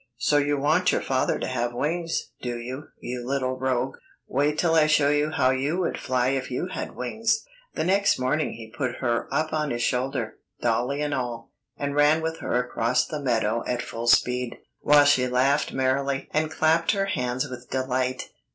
So you want your father to have wings, do you, you little rogue! Wait till I show you how you would fly if you had wings." The next moment he put her up on his shoulder, dollie and all, and ran with her across the meadow at full speed, while she laughed merrily and clapped her hands with delight.